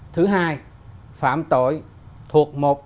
thứ hai phạm tội thuộc một trong các trường hợp đồng